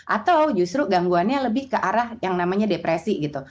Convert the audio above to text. atau justru gangguannya lebih ke arah yang namanya depresi gitu